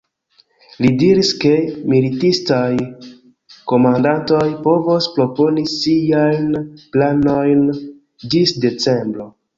Li diris, ke militistaj komandantoj povos proponi siajn planojn ĝis decembro.